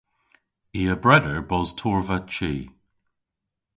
I a breder bos torrva chi.